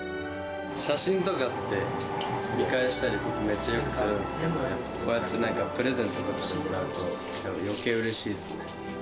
写真とかって、見返したり、めっちゃよくするんだけど、こうやってなんか、プレゼントとしてもらうと、よけいうれしいですね。